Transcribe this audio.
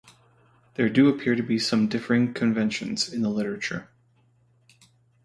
There do appear to be some differing conventions in the literature.